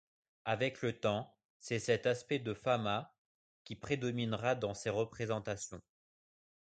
Avec le temps, c'est cet aspect de Fama qui prédominera dans ses représentations.